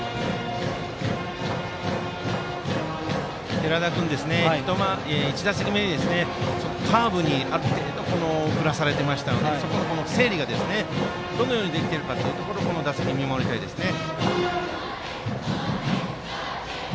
寺田君は１打席目カーブにある程度振らされていましたのでそこの整理がどのようにできているかこの打席、見守りたいですね。